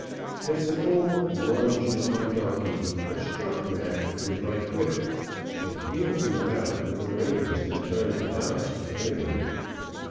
As the brute lunged at my donkey, I struck Mac with my whip and wheeled him about with the reins in time to dodge the enemy.